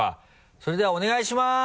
それではお願いします！